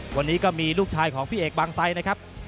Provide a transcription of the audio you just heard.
วันนี้ก็มีลูกชายของพี่เอกบางไซด์นะครับ